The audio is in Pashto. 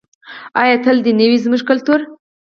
آیا تل دې نه وي زموږ کلتور؟